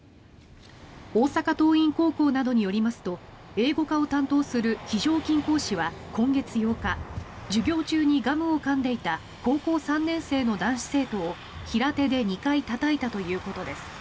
大阪桐蔭高校などによりますと英語科を担当する非常勤講師は今月８日授業中にガムをかんでいた高校３年生の男子生徒を平手で２回たたいたということです。